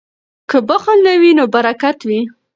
که بخل نه وي نو برکت وي.